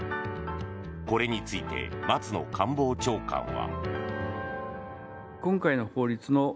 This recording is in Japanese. これについて松野官房長官は。